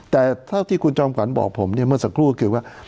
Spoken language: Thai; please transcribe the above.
แต่เท่าที่คุณจอมขวัญบอกผมเนี่ยเมื่อสักครู่คือว่า